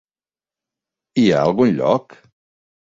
Hi ha algun lloc?